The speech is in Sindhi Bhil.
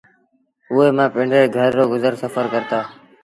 اُئي مآݩ پنڊري گھر رو گزر سڦر ڪرتآ